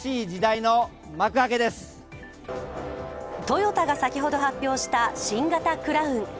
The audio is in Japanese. トヨタが先ほど発表した新型クラウン。